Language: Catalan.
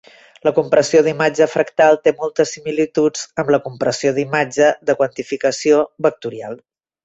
La compressió d'imatge fractal té moltes similituds amb la compressió d'imatge de quantificació vectorial.